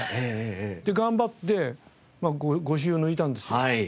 で頑張って５週抜いたんですよ。